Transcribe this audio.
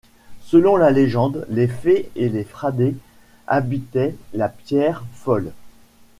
Selon la légende, les fées et les fradets habitaient la Pierre Folle.